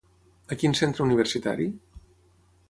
A quin centre universitari?